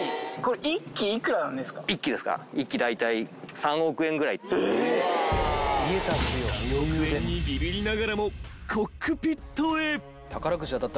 ［３億円にビビりながらもコックピットへ］